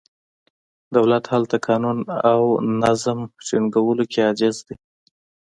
دولت هلته قانون او نظم ټینګولو کې عاجز دی.